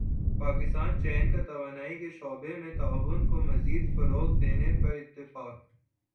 پاکستان چین کا توانائی کے شعبے میں تعاون کو مزید فروغ دینے پر اتفاق